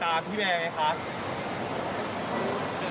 ตามพี่แบร์ไงคะ